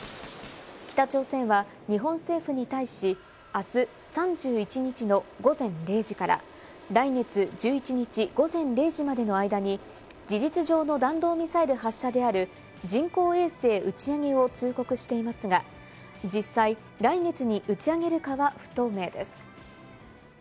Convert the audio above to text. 北朝鮮は日本政府に対し、あす３１日の午前０時から来月１１日午前０時までの間に事実上の弾道ミサイル発射である人工衛星打ち上げを通告していますが、実際来月に打ち上げるかは不透明です。